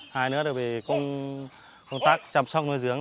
hai nữa là về công tác chăm sóc nuôi dưỡng